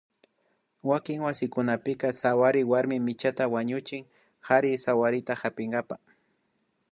Wakin wasikunapika sawary warmimi michata wañuchin kari sawarikta hapinkapa